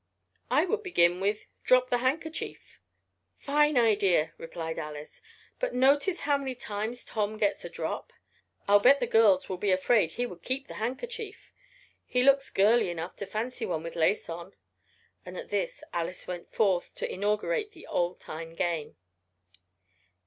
"I would begin with 'drop the handkerchief.'" "Fine idea," replied Alice. "But notice how many times Tom gets a 'drop.' I'll bet the girls will be afraid he would keep the handkerchief. He looks girlie enough to fancy one with lace on," and at this Alice went forth to inaugurate the old time game.